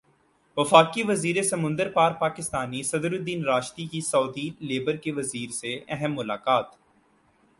وفاقی وزیر سمندر پار پاکستانی صدر الدین راشدی کی سعودی لیبر کے وزیر سے اہم ملاقات